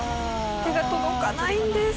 手が届かないんです。